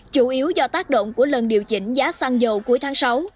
chủ yếu do tác động của lần điều chỉnh giá xăng dầu cuối tháng sáu